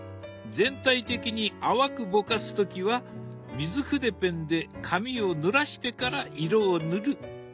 全体的に淡くぼかす時は水筆ペンで紙をぬらしてから色を塗る。